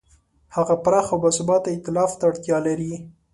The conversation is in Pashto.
هغه پراخ او باثباته ایتلاف ته اړتیا لري.